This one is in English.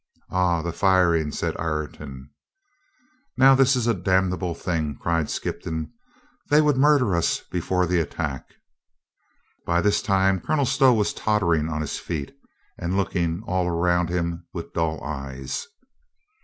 "Ah, the firing," said Ireton. "Now, this is a damnable thing," cried Skippon. "They would murder us before the attack." By this time, Colonel Stow was tottering on his feet, and looking all round him with dull eyes.